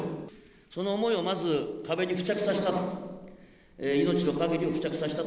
その思いをまず壁に付着させたと。